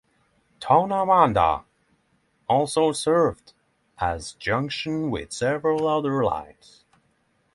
Tonawanda also served as a junction with several other lines.